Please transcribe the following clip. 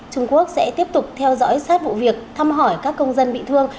trung quốc sẽ tiếp tục theo dõi sát vụ việc thăm hỏi các công dân bị thương